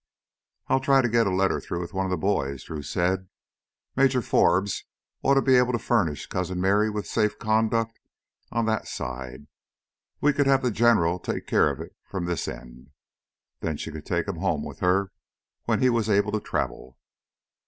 "I'll try to get a letter through with one of the boys," Drew said. "Major Forbes ought to be able to furnish Cousin Merry with safe conduct on that side; we could have the General take care of it from this end. Then she could take him home with her when he was able to travel."